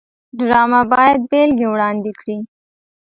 ډرامه باید بېلګې وړاندې کړي